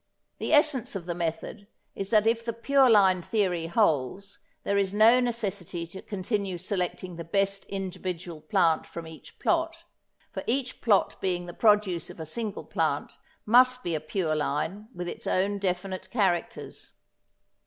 The essence, of the method is that if the pure line theory holds there is no necessity to continue selecting the best individual plant from each plot, for each plot being the produce of a single plant must be a pure line with its own definite characters.